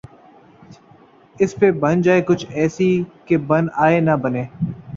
اس پہ بن جائے کچھ ایسی کہ بن آئے نہ بنے